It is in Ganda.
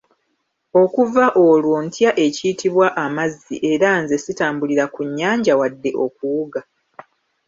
Okuva olwo ntya ekiyitibwa amazzi era nze sitambulira ku nnyanja wadde okuwuga.